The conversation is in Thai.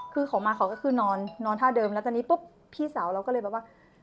คือเขามาเขาก็คือนอนท่าเดิมแล้วตอนนี้ปุ๊บพี่สาวเราก็เลยแบบว่า